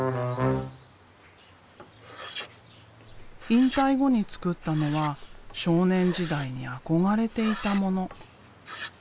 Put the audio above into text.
引退後に作ったのは少年時代に憧れていたもの。